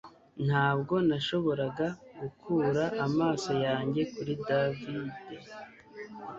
Ntabwo nashoboraga gukura amaso yanjye kuri David